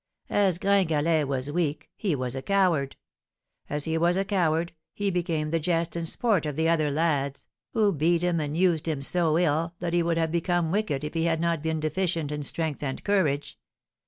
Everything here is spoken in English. As Gringalet was weak, he was a coward; as he was a coward, he became the jest and sport of the other lads, who beat him and used him so ill that he would have become wicked if he had not been deficient in strength and courage.